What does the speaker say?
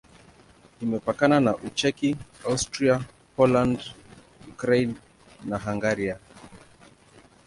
Imepakana na Ucheki, Austria, Poland, Ukraine na Hungaria.